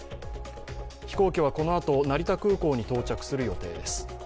飛行機は、このあと成田空港に到着する予定です。